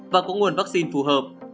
và có nguồn vaccine phù hợp